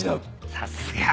さすが。